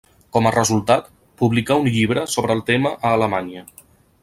Com a resultat, publicà un llibre sobre el tema a Alemanya.